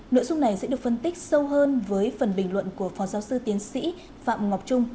nội dung này sẽ được phân tích sâu hơn với phần bình luận của phó giáo sư tiến sĩ phạm ngọc trung